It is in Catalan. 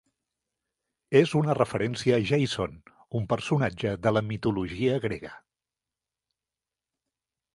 És una referència a Jason, un personatge de la mitologia grega.